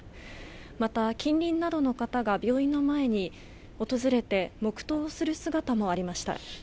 また、近隣などの方が病院の前に訪れて黙祷をする姿もありました。